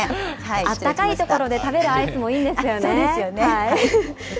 あったかい所で食べるアイスもいいんですよね。